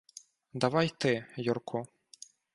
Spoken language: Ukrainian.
Давай ти, Юрку.